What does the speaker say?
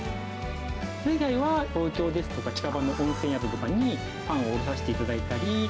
それ以外は、東京とか近場の温泉宿とかにパンを卸させていただいたり。